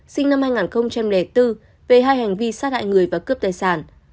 sinh năm hai nghìn bốn về hai hành vi sát hại người và cướp tài sản